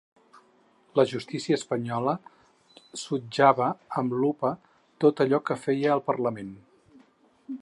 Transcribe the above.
La justícia espanyola sotjava amb lupa tot allò que feia el parlament.